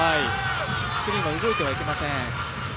スクリーンは動いてはいけません。